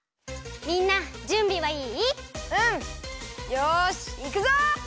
よしいくぞ！